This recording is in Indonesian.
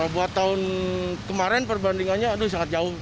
buat tahun kemarin perbandingannya aduh sangat jauh